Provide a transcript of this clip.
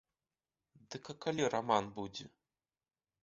Дык а калі раман будзе?